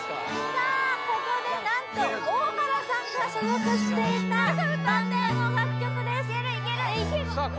さあここで何と大原さんが所属していたバンドの楽曲ですさあ